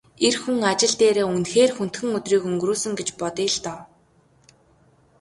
Эр хүн ажил дээрээ үнэхээр хүндхэн өдрийг өнгөрөөсөн гэж бодъё л доо.